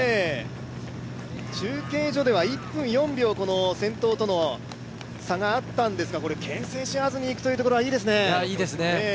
中継所では１分４秒、差があったんですがけん制し合わずにいくというのはいいですね。